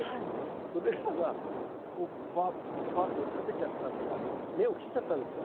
それらがこうバッバッと食べちゃったっていうか根を切っちゃったんですよ。